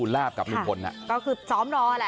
แล้วอันนี้ก็เปิดแล้ว